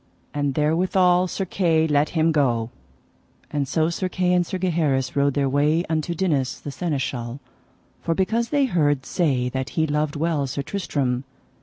And therewithal Sir Kay let him go. And so Sir Kay and Sir Gaheris rode their way unto Dinas, the Seneschal, for because they heard say that he loved well Sir Tristram.